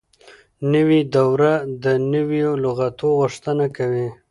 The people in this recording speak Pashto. نوې دوره د نوو لغاتو غوښتنه کوي.